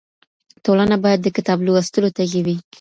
ټولنه بايد د کتاب لوستلو تږې وي.